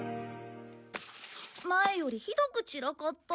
前よりひどく散らかった。